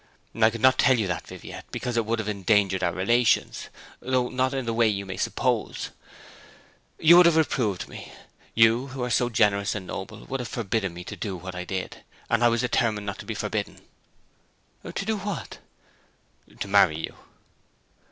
'I could not tell you that, Viviette, because it would have endangered our relations though not in the way you may suppose. You would have reproved me. You, who are so generous and noble, would have forbidden me to do what I did; and I was determined not to be forbidden.' 'To do what?' 'To marry you.'